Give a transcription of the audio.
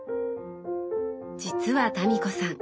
実は民子さん